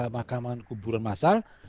makaman kuburan masal